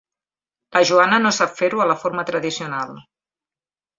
La Joana no sap fer-ho a la forma tradicional.